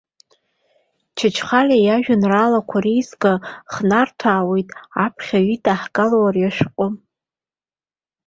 Чачхалиа иажәеинраалақәа реизга ханарҭәаауеит аԥхьаҩ идаагало ари ашәҟәы.